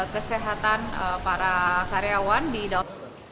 kesehatan para karyawan di down